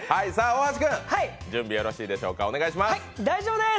大橋君、準備よろしいでしょうかお願いします。